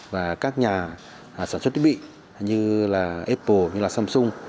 và các nhà sản xuất thiết bị như là apple như là samsung